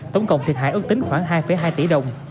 tổng cộng thiệt hại ước tính khoảng hai hai tỷ đồng